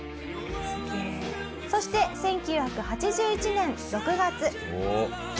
そして１９８１年６月。